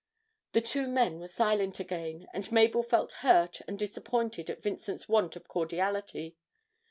The two men were silent again, and Mabel felt hurt and disappointed at Vincent's want of cordiality.